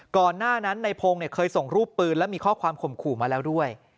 ก่อนหน้านั้นในพงศ์เคยส่งรูปปืนและมีข้อความข่มขู่มาแล้วด้วย